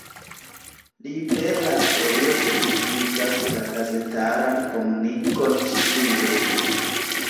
Libera Folio publikigas la gazetaran komunikon ĉi-sube.